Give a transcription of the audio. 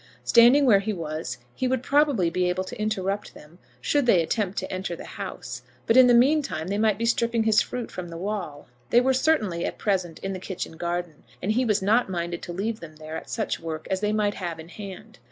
Standing where he was he would probably be able to interrupt them, should they attempt to enter the house; but in the mean time they might be stripping his fruit from the wall. They were certainly, at present, in the kitchen garden, and he was not minded to leave them there at such work as they might have in hand.